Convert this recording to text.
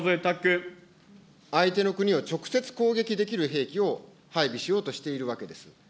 相手の国を直接攻撃できる兵器を配備しようとしているわけです。